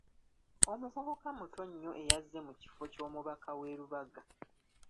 Omuvubuka muto nnyo eyazze mu kifo ky'omubaka w'e Rubaga.